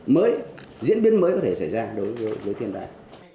mới diễn biến mới có thể xảy ra đối với thiên tai